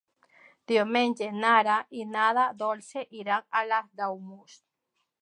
Diumenge na Lara i na Dolça iran a Daimús.